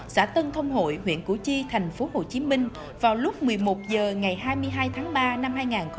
xã tân thông hội huyện củ chi thành phố hồ chí minh vào lúc một mươi một h ngày hai mươi hai tháng ba năm hai nghìn một mươi tám